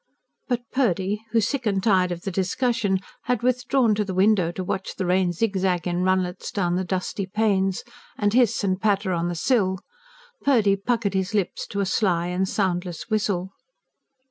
But Purdy who, sick and tired of the discussion, had withdrawn to the window to watch the rain zig zag in runlets down the dusty panes, and hiss and spatter on the sill; Purdy puckered his lips to a sly and soundless whistle.